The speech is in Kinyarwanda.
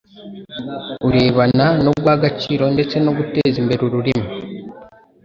urebana no guha agaciro ndetse no guteza imbere ururimi